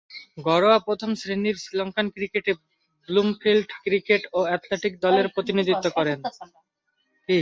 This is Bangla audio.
ঘরোয়া প্রথম-শ্রেণীর শ্রীলঙ্কান ক্রিকেটে ব্লুমফিল্ড ক্রিকেট ও অ্যাথলেটিক দলের প্রতিনিধিত্ব করেন।